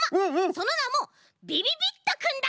そのなもびびびっとくんだ！